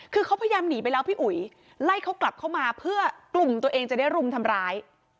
คือเขาพยายามหนีไปแล้วพี่อุ๋ยไล่เขากลับเข้ามาเพื่อกลุ่มตัวเองจะได้รุมทำร้าย